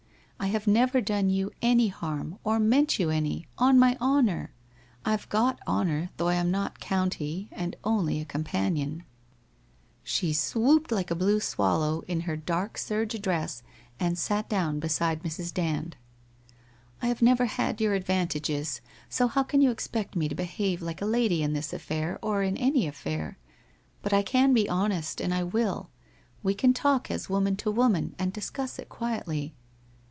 I have never done you any harm or meant you any, on my honour. I've got honour, though I am not county and only a com panion.' 198 WHITE ROSE OF WEARY LEAF She swooped like a blue swallow in her dark serge dress and sat down beside Mrs. Dand. ' I have never had your advantages, so how can you ex pect me to behave like a lady in this affair, or in any affair? But I can be honest and I will. We can talk as woman to woman, and discuss it quietly.'